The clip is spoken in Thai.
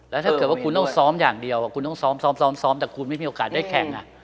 แล้วถ้าเกิดว่าคุณต้องซ้อมอย่างเดียวคุณต้องซ้อมซ้อมแต่คุณไม่มีโอกาสได้แข่ง